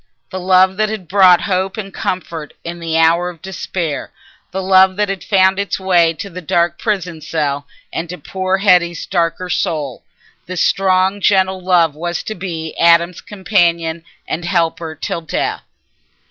The love that had brought hope and comfort in the hour of despair, the love that had found its way to the dark prison cell and to poor Hetty's darker soul—this strong gentle love was to be Adam's companion and helper till death.